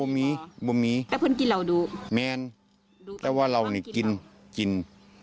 มีเค้าใส่หัวลุ้นแร้ง